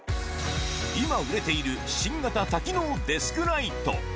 今、売れている新型多機能デスクライト。